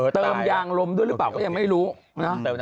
เติมยางลมด้วยหรือเปล่าก็ยังไม่รู้นะ